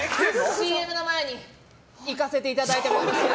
ＣＭの前にいかせていただいてもいいですか。